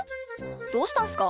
どうしたんすか？